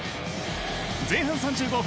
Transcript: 前半３５分。